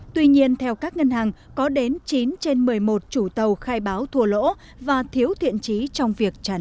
tuy nhiên theo các ngân hàng có đến chín trên một mươi một chủ tàu khai báo thua lỗ và thiếu thiện trí